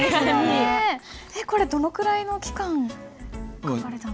これどのくらいの期間で書かれたんですか？